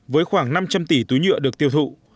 với khoảng năm trăm linh tỷ túi nhựa được tiêu thụ